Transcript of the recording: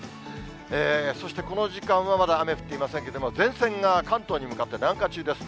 そしてこの時間はまだ雨降っていませんけれども、前線が関東に向かって南下中です。